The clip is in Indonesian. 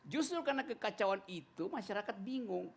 justru karena kekacauan itu masyarakat bingung